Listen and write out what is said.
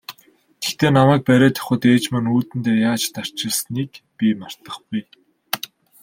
Гэхдээ намайг бариад явахад ээж маань үүдэндээ яаж тарчилсныг би мартахгүй.